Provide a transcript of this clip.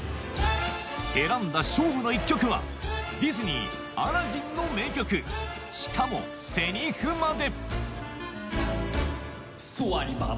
選んだ勝負の一曲はディズニー『アラジン』の名曲しかもセリフまで